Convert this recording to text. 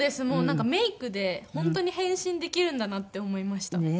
もうなんかメイクで本当に変身できるんだなって思いました。